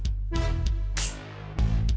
chandra udah sama stella sekarang